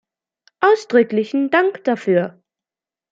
Ausdrücklichen Dank dafür!